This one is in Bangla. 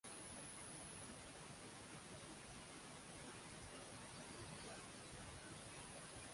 এই ঘটনা উত্তর কোরিয়া ও যুক্তরাষ্ট্রের সম্পর্ক আরও তিক্ত করে তোলে।